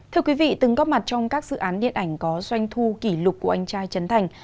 thưa quý vị từng góp mặt trong các dự án điện ảnh có doanh thu kỷ lục của anh trai chấn thành